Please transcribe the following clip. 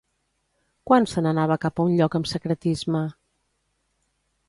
Quan se n'anava cap a un lloc amb secretisme?